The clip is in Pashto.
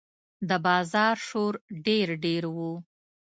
د بازار شور ډېر ډېر و.